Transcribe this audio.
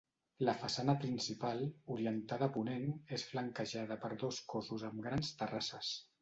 La façana principal, orientada a ponent, és flanquejada per dos cossos amb grans terrasses.